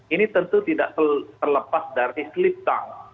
ini tentu tidak terlepas dari slip down